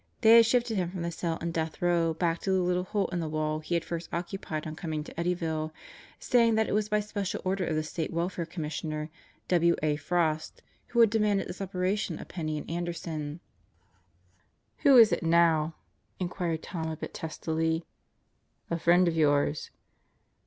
They had shifted him from the cell in Death Row back to the little hole in the wall he had first occupied on coming to Eddyville, saying that it was by special order of the State Welfare Commissioner, W. A. Frost, who had demanded the separation of Penney and Anderson, Out of the DeviTs Clutches 169 "Who is it now?" inquired Tom a bit testily. "A friend of yours."